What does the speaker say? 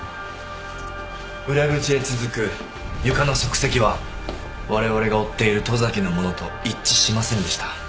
裏口へ続く床の足跡はわれわれが追っている十崎のものと一致しませんでした。